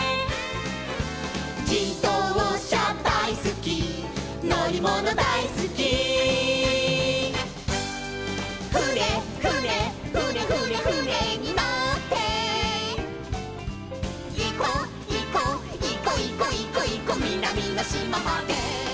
「じどうしゃだいすきのりものだいすき」「ふねふねふねふねふねにのって」「いこいこいこいこいこいこみなみのしままで」